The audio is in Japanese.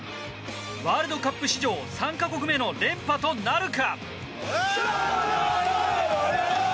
ワールドカップ史上３か国目の連覇となるか？